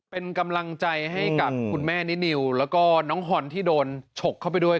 เป็นกำลังใจให้กับคุณแม่นินิวแล้วก็น้องฮอนที่โดนฉกเข้าไปด้วย